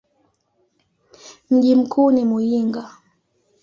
Mji mkuu ni Muyinga.